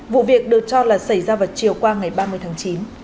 vụ việc được cho là xảy ra vào chiều qua ngày ba mươi tháng chín